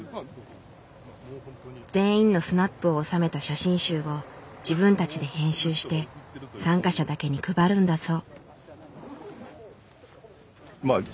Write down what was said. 全員のスナップを収めた写真集を自分たちで編集して参加者だけに配るんだそう。